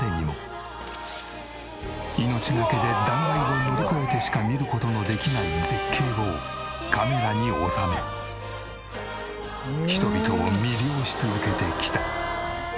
亜は命がけで断崖を乗り越えてしか見る事のできない絶景をカメラに収め人々を魅了し続けてきた。